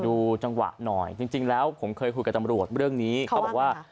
ดูจังหวะหน่อยจริงแล้วผมเคยคุยกับตำรวจเรื่องนี้เขาบอกว่า